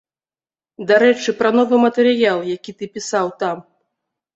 Дарэчы, пра новы матэрыял, які ты пісаў там.